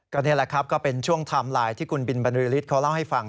ก็นี่แหละครับก็เป็นช่วงไทม์ไลน์ที่คุณบินบรรลือฤทธิเขาเล่าให้ฟัง